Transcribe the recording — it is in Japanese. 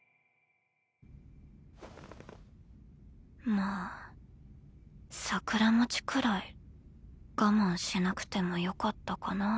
まあ桜餅くらい我慢しなくてもよかったかなぁ。